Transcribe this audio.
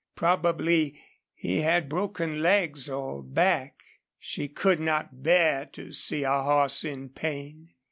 Probably he had broken legs or back. She could not bear to see a horse in pain.